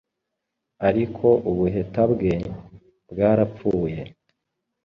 ariko ubuheta bwe, bwarapfuye